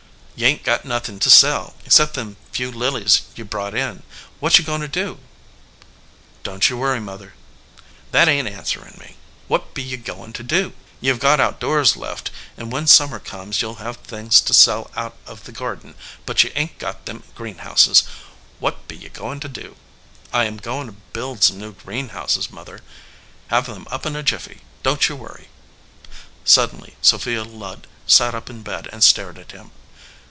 "You ain t got anything to sell, except them few lilies you brought in. What you goin to do ?" "Don t you worry, Mother." "That ain t answerin me. What be you goin to do? You have got outdoors left, and when summer comes you ll have things to sell out of the garden, but you ain t got them greenhouses. What be you goin to do ?" "I am goin to build some new greenhouses, Mother; have them up in a jiffy. Don t you worry." Suddenly Sophia Ludd sat up in bed and stared at him.